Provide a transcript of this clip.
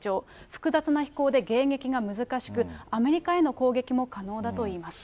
複雑な飛行で迎撃が難しく、アメリカへの攻撃も可能だといいます。